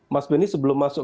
mas beni sebelum masuk